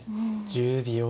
１０秒。